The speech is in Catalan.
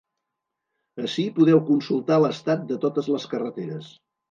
Ací podeu consultar l’estat de totes les carreteres.